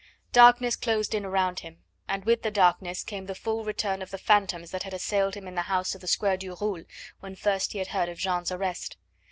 Darkness closed in around him, and with the darkness came the full return of the phantoms that had assailed him in the house of the Square du Roule when first he had heard of Jeanne's arrest.